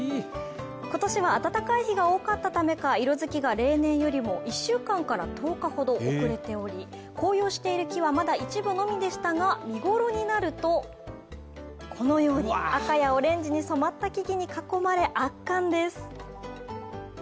今年は暖かい日が多かったためか、色づきが例年よりも１週間から１０日ほど遅れており、紅葉している木はまだ一部のみでしたが、見頃になると、このように赤やオレンジに染まった木々に囲まれ圧巻です。